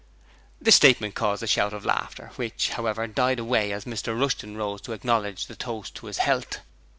This statement caused a shout of laughter, which, however, died away as Mr Rushton rose to acknowledge the toast to his health.